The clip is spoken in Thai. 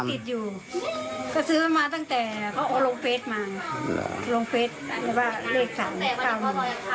มีเลขติดอยู่ก็ซื้อมาตั้งแต่เขาโรงเฟสมา